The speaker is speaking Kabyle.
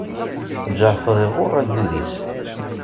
Ǧaɛfeṛ iɣuṛṛ agdud-is.